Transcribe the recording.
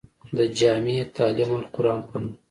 د جامعه تعليم القرآن پۀ نوم